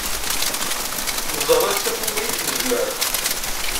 Nezɛeḍ anect akk umi nezmer.